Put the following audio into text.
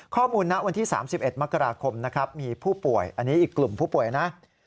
ณวันที่๓๑มกราคมนะครับมีผู้ป่วยอันนี้อีกกลุ่มผู้ป่วยนะ